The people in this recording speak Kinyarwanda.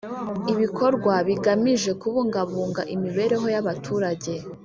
ibikorwa bigamije kubungabunga imibereho yaba turage